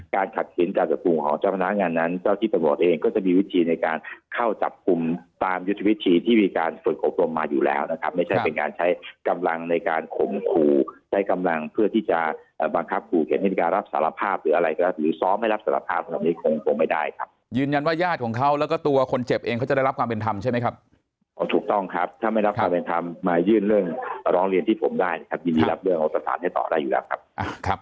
กันนะครับสิ่งที่จะใช้กำลังนะครับสิ่งที่จะใช้กำลังนะครับสิ่งที่จะใช้กำลังนะครับสิ่งที่จะใช้กำลังนะครับสิ่งที่จะใช้กำลังนะครับสิ่งที่จะใช้กำลังนะครับสิ่งที่จะใช้กำลังนะครับสิ่งที่จะใช้กำลังนะครับสิ่งที่จะใช้กำลังนะครับสิ่งที่จะใช้กำลังนะครับสิ่งที่จะใช้กำลังนะครับสิ่งที่